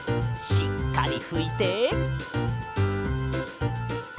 しっかりふいて。